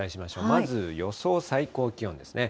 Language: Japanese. まず予想最高気温ですね。